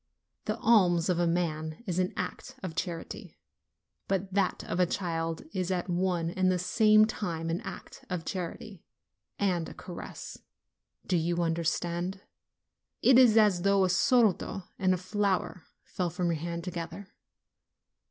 The alms of a man is an act of charity; but that of a child is at one and the same time an act of charity and a caress do you understand? It is as though a soldo and a flower fell from your hand to gether.